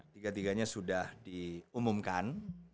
tiga tiganya sudah diumumkan